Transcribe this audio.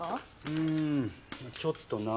うんちょっとな。